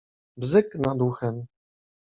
Bzyk nad uchem.